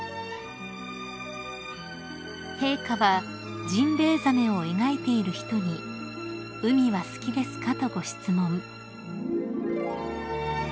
［陛下はジンベエザメを描いている人に「海は好きですか？」とご質問］